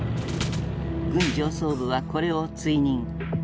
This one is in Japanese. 軍上層部はこれを追認。